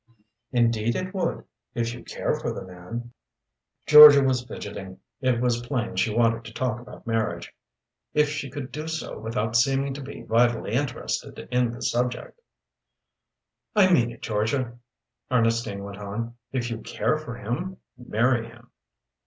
"Indeed it would. If you care for the man." Georgia was fidgeting; it was plain she wanted to talk about marriage, if she could do so without seeming to be vitally interested in the subject. "I mean it, Georgia," Ernestine went on. "If you care for him, marry him."